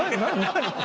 何？